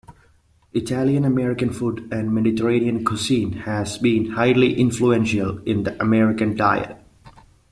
Italian-American food and Mediterranean cuisine has been highly influential in the American diet.